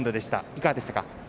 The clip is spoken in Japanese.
いかがでしたか？